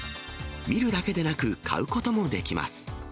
見るだけでなく買うこともできます。